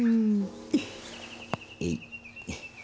えい。